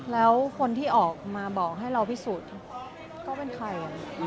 แล้วคนที่ออกมาบอกให้เราพิสูจน์ก็เป็นใคร